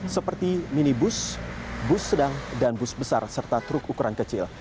seperti minibus bus sedang dan bus besar serta truk ukuran kecil